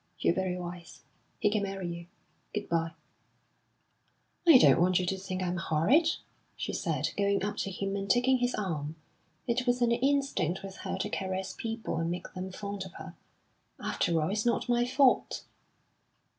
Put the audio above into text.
You're very wise. He can marry you. Good bye!" "I don't want you to think I'm horrid," she said, going up to him and taking his arm. It was an instinct with her to caress people and make them fond of her. "After all, it's not my fault."